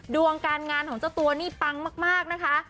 ดวงการงานของเจ้าตัวนี่ปังมากนะคะ